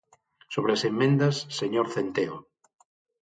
Sobre as emendas, señor Centeo.